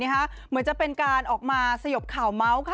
เหมือนจะเป็นการออกมาสยบข่าวเมาส์ค่ะ